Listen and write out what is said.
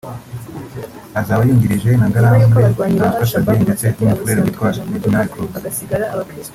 azaba yungirijwe na Ngarambe Francois-Xavier ndetse n’umufurere witwa Reginald Cruz